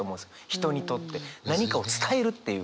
人にとって何かを伝えるっていう。